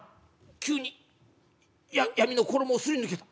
急に闇の衣をすり抜けた！